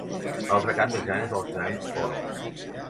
L'altre cap, més gran, és el Gran Orme.